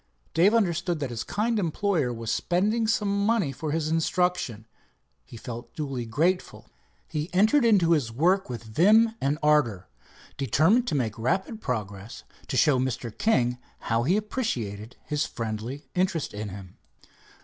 Dave understood that his kind employer was spending some money for his instruction. He felt duly grateful. He entered into his work with vim and ardor, determined to make rapid progress, to show Mr. King how he appreciated his friendly interest in him.